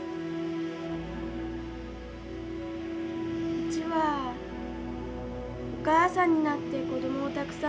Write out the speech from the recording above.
うちはお母さんになって子供をたくさん産みたい。